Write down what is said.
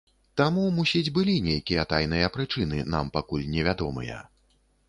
Таму, мусіць, былі нейкія тайныя прычыны, нам пакуль невядомыя.